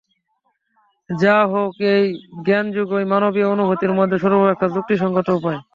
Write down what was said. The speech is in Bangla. যাহা হউক, এই জ্ঞানযোগই মানবীয় অনুভূতির মধ্যে সর্বাপেক্ষা যুক্তিসঙ্গত উপায়।